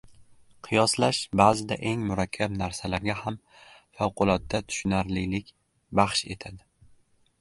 Qiyoslash baʼzida eng murakkab narsalarga ham favqulodda tushunarlilik baxsh etadi…